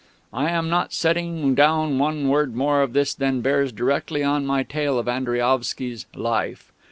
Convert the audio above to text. I am not setting down one word more of this than bears directly on my tale of Andriaovsky's "Life."